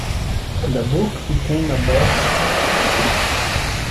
The book became a best-seller.